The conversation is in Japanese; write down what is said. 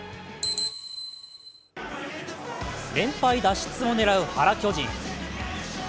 連敗脱出を狙う原巨人。